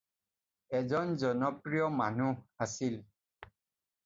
এজন জনপ্ৰিয় মানুহ আছিল।